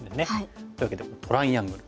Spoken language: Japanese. というわけでトライアングル。